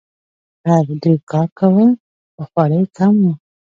خر ډیر کار کاوه خو خواړه یې کم وو.